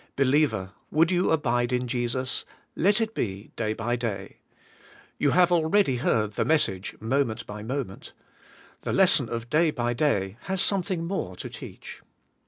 Believer! would you abide in Jesus, let it be day by day. You have already heard the message, Mo ment by moment; the lesson of day by day has some thing more to teach.